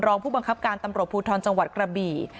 รองผู้บังคับการตำรวจภูทรจังหวัดกระบี่